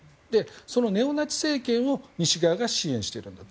そのネオナチ政権を西側が支援しているんだと。